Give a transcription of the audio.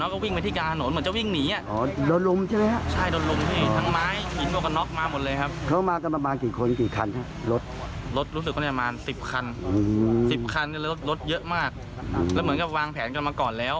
รถเยอะมากแล้วเหมือนวางแผนกันมาก่อนแล้ว